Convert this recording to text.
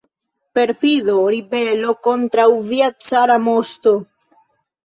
Perfido, ribelo kontraŭ via cara moŝto!